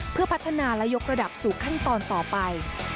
เพื่อพัฒนาและยกระดับสู่ขั้นตอนต่อไป